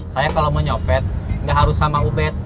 saya kalau mau nyopet nggak harus sama ubed